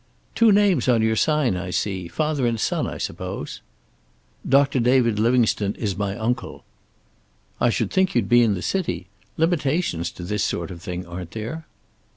"Two names on your sign, I see. Father and son, I suppose?" "Doctor David Livingstone is my uncle." "I should think you'd be in the city. Limitations to this sort of thing, aren't there?"